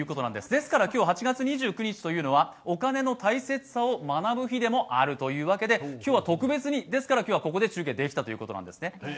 ですから今日８月２９日というのは、お金の大切さを学ぶ日でもあるということで今日は特別にここで中継ができたということなんですね。